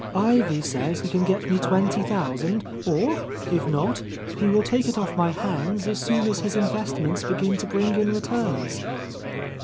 Ivy says he can get me twenty thousand, or if not, he will take it off my hands as soon as his investments begin to bring ift returns."